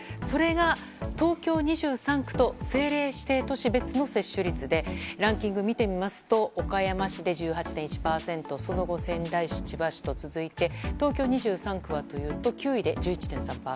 それが、東京２３区と政令指定都市別の接種率でランキングを見てみますと岡山市で１８．２％その後、仙台市、千葉市と続いて東京２３区は９位で１１．３％。